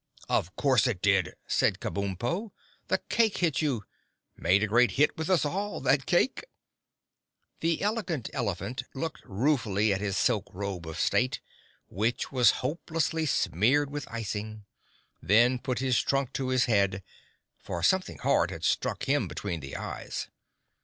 "Of course it did!" said Kabumpo. "The cake hit you. Made a great hit with us all—that cake!" The Elegant Elephant looked ruefully at his silk robe of state, which was hopelessly smeared with icing; then put his trunk to his head, for something hard had struck him between the eyes.